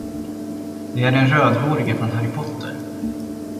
Det är den rödhårige från Harry Potter.